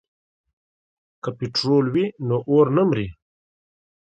که پټرول وي نو اور نه مري.